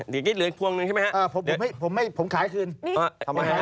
เหลืออีกพวงนึงใช่มั้ยครับ